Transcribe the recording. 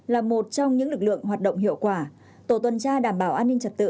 là một trong những lực lượng hoạt động hiệu quả tổ tuần tra đảm bảo an ninh trật tự